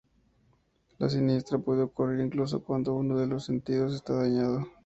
La sinestesia puede ocurrir incluso cuando uno de los sentidos está dañado.